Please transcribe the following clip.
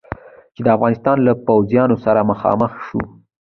چې د افغانستان له پوځونو سره مخامخ شو.